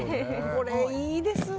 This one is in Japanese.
これ、いいですわ。